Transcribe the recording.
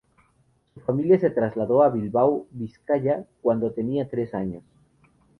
Su familia se trasladó a Bilbao, Vizcaya, cuando tenía tres años.